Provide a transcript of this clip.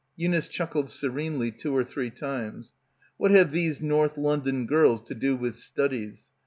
Eunice chuckled serenely two or three times. "What have these North London girls to do with studies?"